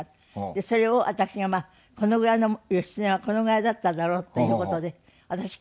それを私がこのぐらいの義経はこのぐらいだっただろうっていう事で私着たんですよ。